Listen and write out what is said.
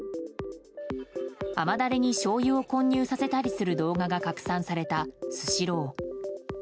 甘ダレをしょうゆを混入させたりする動画が拡散された、スシロー。